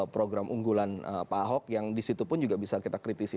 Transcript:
program unggulan pak ahok yang disitu pun juga bisa kita kritisi